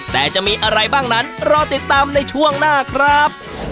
แต่จะมีอะไรบ้างนั้นรอติดตามในช่วงหน้าครับ